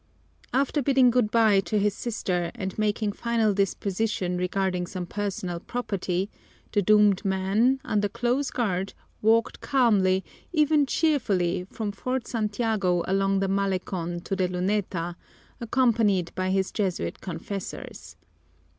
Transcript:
After bidding good by to his sister and making final disposition regarding some personal property, the doomed man, under close guard, walked calmly, even cheerfully, from Fort Santiago along the Malecon to the Luneta, accompanied by his Jesuit confessors.